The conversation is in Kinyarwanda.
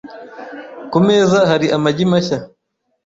Ku meza hari amagi mashya .